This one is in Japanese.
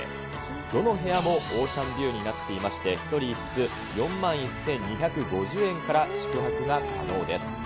どの部屋もオーシャンビューになっておりまして、１人１室４万１２５０円から宿泊が可能です。